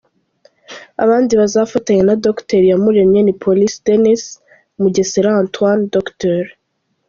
Abandi bazafatanya na Dr Iyamuremye ni Polisi Denis , Mugesera Antoine , Dr.